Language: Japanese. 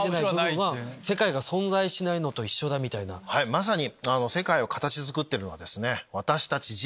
まさに！